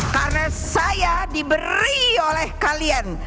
karena saya diberi oleh kalian